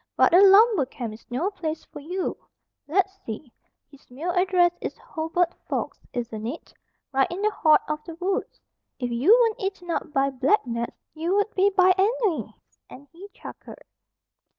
"But a lumber camp is no place for you. Let's see, his mail address is Hobart Forks, isn't it? Right in the heart of the woods. If you weren't eaten up by black gnats, you would be by ennui," and he chuckled.